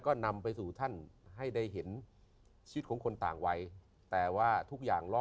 ก็นำไปสู่ท่านให้ได้เห็นชีวิตของคนต่างวัยแต่ว่าทุกอย่างล่อ